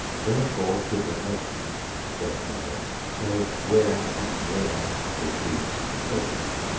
Wherefore should the nations [Gentiles] say, Where is their [the Jews'] God?